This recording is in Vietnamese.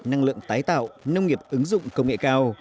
năng lượng tái tạo nông nghiệp ứng dụng công nghệ cao